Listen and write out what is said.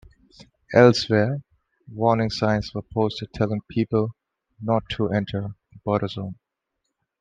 Elsewhere, warning signs were posted telling people not to enter the border zone.